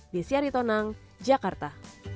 desyari tonang jakarta